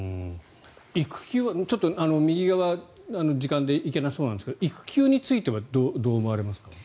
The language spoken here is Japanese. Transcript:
育休は右側、時間で行けなさそうですが育休についてはどう思われますか。